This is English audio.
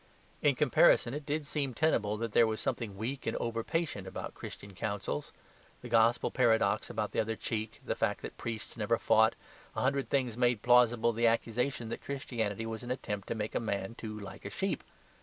In comparison, it did seem tenable that there was something weak and over patient about Christian counsels. The Gospel paradox about the other cheek, the fact that priests never fought, a hundred things made plausible the accusation that Christianity was an attempt to make a man too like a sheep.